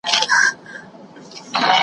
بیا نو که هر څومره قوي پیغام هم ولري .